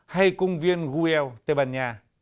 hay cung viên guel tây ban nha